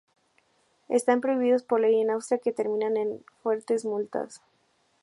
Están prohibidos por ley en Austria, que terminan en fuertes multas.